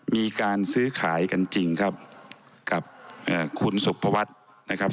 มีการซื้อขายกันจริงครับกับคุณสุภวัฒน์นะครับ